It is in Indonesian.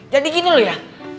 jadi gini loh ya